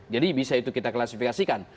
jadi bisa itu kita klasifikasikan